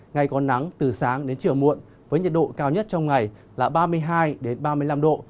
ngày có nắng từ sáng đến chiều muộn với nhiệt độ cao nhất trong ngày là ba mươi hai ba mươi năm độ